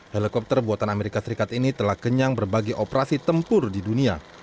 helikopter buatan amerika serikat ini telah kenyang berbagai operasi tempur di dunia